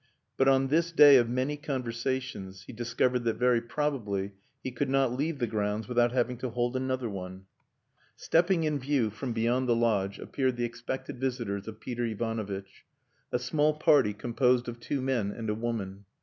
But on this day of many conversations, he discovered that very probably he could not leave the grounds without having to hold another one. Stepping in view from beyond the lodge appeared the expected visitors of Peter Ivanovitch: a small party composed of two men and a woman.